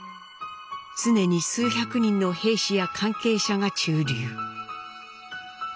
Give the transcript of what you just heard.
常に数百人の兵士や関係者が駐留。